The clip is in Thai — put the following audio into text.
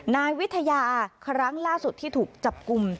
นายวิทยาครั้งล่าสุดที่ถูกจับกลุ่ม